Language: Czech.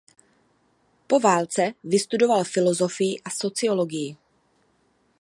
Po válce vystudoval filozofii a sociologii.